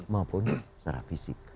maupun secara fisik